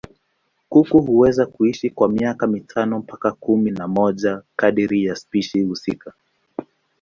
Kuku huweza kuishi kwa miaka mitano mpaka kumi na moja kadiri ya spishi husika.